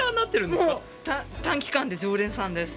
短期間で常連さんです。